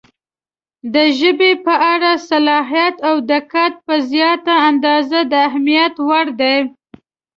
• د ژبې په اړه صراحت او دقت په زیاته اندازه د اهمیت وړ دی.